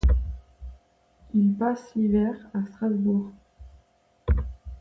Il passe l’hiver à Strasbourg.